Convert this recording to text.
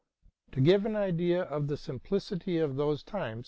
To give an idea of the simplicity of those times.